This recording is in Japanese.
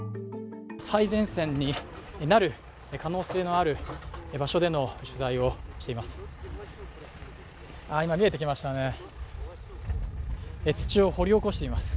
最前線になる可能性のある場所での取材をしています。